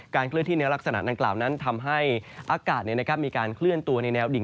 เคลื่อนที่ในลักษณะดังกล่าวนั้นทำให้อากาศมีการเคลื่อนตัวในแนวดิ่ง